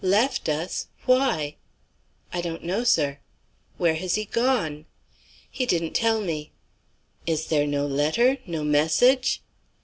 "Left us! Why?" "I don't know, sir." "Where has he gone?" "He didn't tell me." "Is there no letter? No message?"